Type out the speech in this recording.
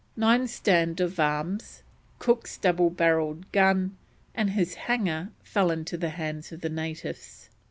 Nine stand of arms, Cook's double barreled gun and his hanger fell into the hands of the natives.